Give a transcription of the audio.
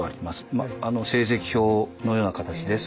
まあ成績表のような形です。